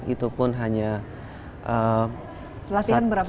itu pun hanya satu minggu dua kali